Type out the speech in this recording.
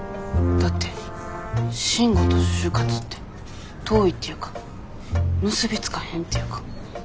だって「慎吾」と「就活」って遠いっていうか結び付かへんっていうか。